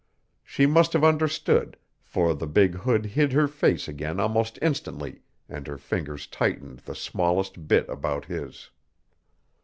She must have understood, for the big hood hid her face again almost instantly, and her fingers tightened the smallest bit about his.